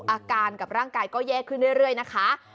อาการกับร่างกายก็แย่ขึ้นเรื่อยนะคะ